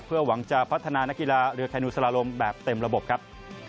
เพื่อหวังจะพัฒนานักกีฬาเรือไนูสลาลมแบบเต็มระบบครับ